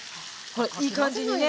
ほらいい感じにね